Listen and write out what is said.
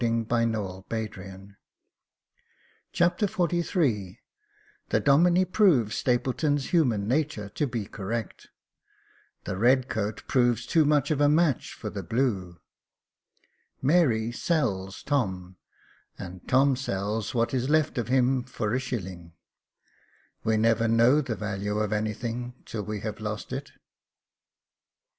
398 Jacob Faithful Chapter XLIII The Domine proves Stapleton's "human natur" to be correct — the red coat proves too much of a match for the blue — Mary sells Tom, and Tom sells what is left of him, for a shilling — We never know the value of anything till we have lost it.